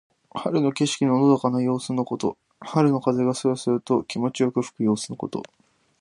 春の景色ののどかな様子のこと。春の風がそよそよと気持ちよく吹く様子のこと。